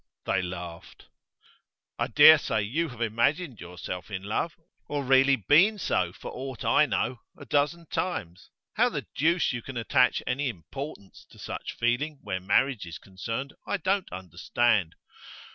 They laughed. 'I dare say you have imagined yourself in love or really been so for aught I know a dozen times. How the deuce you can attach any importance to such feeling where marriage is concerned I don't understand.